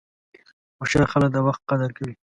هوښیار خلک د وخت قدر کوي.